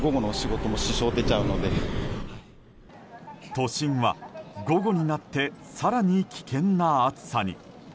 都心は、午後になって更に危険な暑さに。